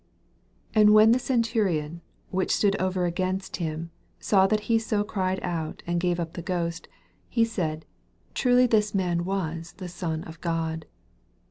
89 And when the centurion, which Btood over against him, saw that he BO cried out. and gave up the ghost, he said, Truly this man was the Son of God.